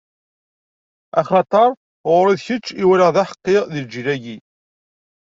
Axaṭer, ɣur-i, d kečč i walaɣ d aḥeqqi di lǧil-agi.